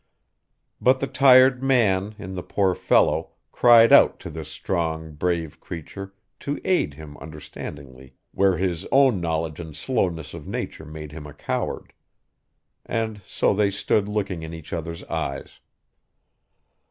But the tired man, in the poor fellow, cried out to this strong, brave creature to aid him understandingly where his own knowledge and slowness of nature made him a coward. And so they stood looking in each other's eyes.